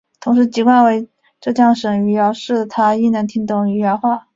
同时籍贯为浙江省余姚市的她亦能听懂余姚话。